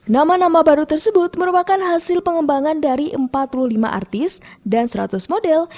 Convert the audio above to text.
nama nama baru tersebut merupakan hasil pengembangan dari empat puluh lima artis dan seratus model